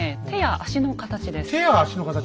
手や足の形なの？